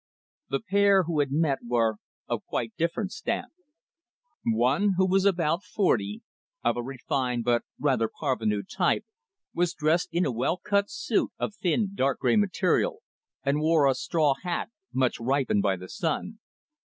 The pair who had met were of quite different stamp. One, who was about forty, of a refined but rather parvenu type, was dressed in a well cut suit of thin, dark grey material, and wore a straw hat much ripened by the sun.